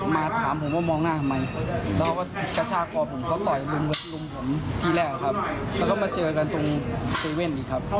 มาเจอกันที่ไหน